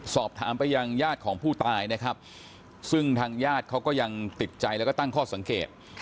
สอบถามไปยังญาติของผู้ตายนะครับซึ่งทางญาติเขาก็ยังติดใจแล้วก็ตั้งข้อสังเกต